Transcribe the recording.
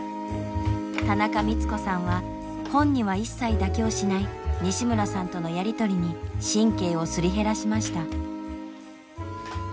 田中光子さんは本には一切妥協しない西村さんとのやり取りに神経をすり減らしました。